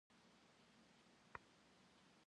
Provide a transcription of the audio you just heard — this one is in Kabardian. Blışhem khak'ue!